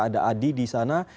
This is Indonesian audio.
ada adi di sana